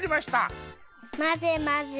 まぜまぜ！